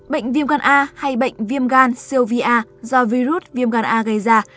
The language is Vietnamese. bệnh viêm gan a hay bệnh viêm gan siêu vi a do virus viêm gan a gây ra